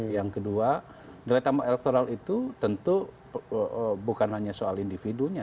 yang kedua nilai tambah elektoral itu tentu bukan hanya soal individunya